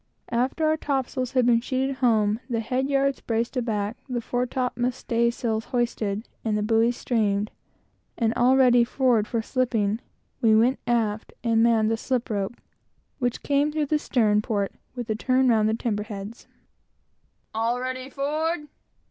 After the topsails had been sheeted home, the head yards braced aback, the fore top mast staysail hoisted, and the buoys streamed, and all ready forward, for slipping, we went aft and manned the slip rope which came through the stern port with a turn round the timber heads. "All ready forward?"